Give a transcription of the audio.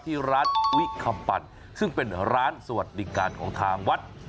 ที่ร้านวิคำปั่นซึ่งเป็นร้านสวัสดิการของทางวัด